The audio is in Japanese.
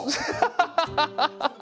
ハハハハ！